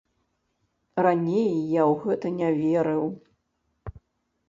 Раней я ў гэта не верыў.